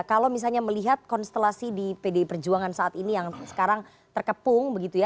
kalau misalnya melihat konstelasi di pdi perjuangan saat ini yang sekarang terkepung begitu ya